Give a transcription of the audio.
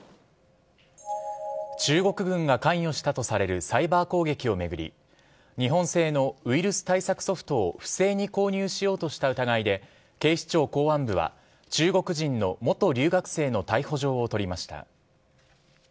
中国軍が関与したとされるサイバー攻撃を巡り、日本製のウイルス対策ソフトを不正に購入しようとした疑いで、警視庁公安部は、中国人の元留学生の逮捕状を取りました。